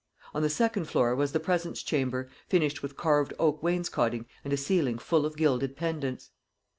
On the second floor was the presence chamber, finished with carved oak wainscoting and a ceiling full of gilded pendants.